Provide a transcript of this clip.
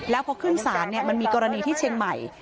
แล้วพอขึ้นศาลมันมีกรณีที่เชียงใหม่